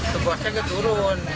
sebuah seget turun